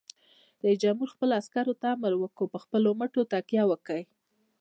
رئیس جمهور خپلو عسکرو ته امر وکړ؛ په خپلو مټو تکیه وکړئ!